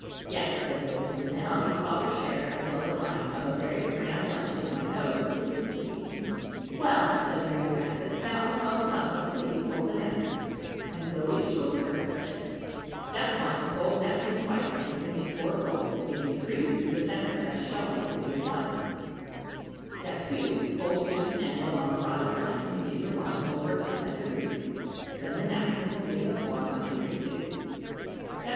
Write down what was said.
"Yes," said Billy, "and then I'll eat Father's share, as well as mine, of a very 'grand' lunch if my nose isn't deceiving me." "Well," said Mary Frances, "that will help some; but please fold the napkin." And Billy showed her this: [Illustration: "I'll show you how to fold a napkin."] [Illustration: 1. Fold napkin twice, making it fourfold. Make crease through the center, as shown in =Figure I= 2. Fold each end along dotted line in =Figure I= over to center crease. Then the napkin will be in the form of =Figure II= 3.